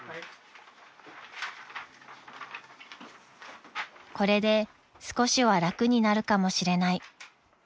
［これで少しは楽になるかもしれない］